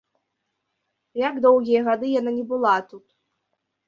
Як доўгія гады яна не была тут!